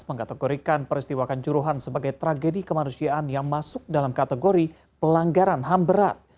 mengategorikan peristiwa kanjuruhan sebagai tragedi kemanusiaan yang masuk dalam kategori pelanggaran hamberat